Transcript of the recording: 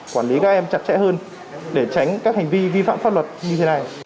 quản lý các em chặt chẽ hơn để tránh các hành vi vi phạm pháp luật như thế này